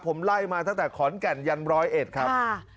ผมไล่มาตั้งแต่ขอนแก่นยันร้อยเอ็ดครับ